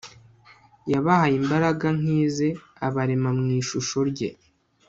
yabahaye imbaraga nk'ize abarema mu ishusho rye